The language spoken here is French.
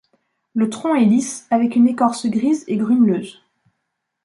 Le tronc est lisse, avec une écorce grise et grumeleuse.